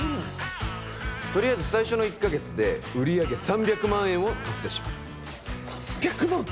とりあえず最初の１ヶ月で売上３００万円を達成します３００万！？